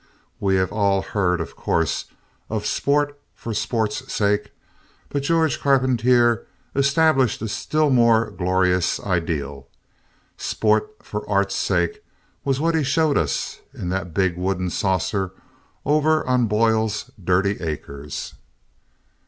We have all heard, of course, of sport for sport's sake but Georges Carpentier established a still more glamorous ideal. Sport for art's sake was what he showed us in the big wooden saucer over on Boyle's dirty acres.